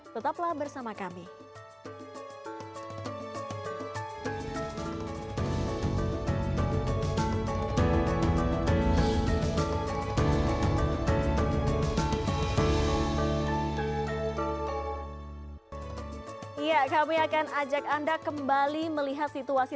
tetaplah bersama kami